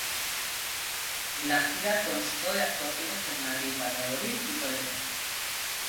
La gira constó de actuaciones en Madrid, Valladolid y Toledo.